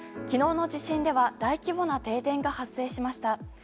昨日の地震では大規模な停電が発生しました。